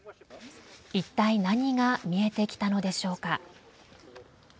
一体何が見えてきたのでしょうか。